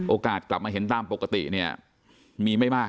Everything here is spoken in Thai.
กลับมาเห็นตามปกติเนี่ยมีไม่มาก